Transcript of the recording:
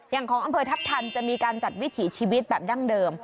ของอำเภอทัพทันจะมีการจัดวิถีชีวิตแบบดั้งเดิม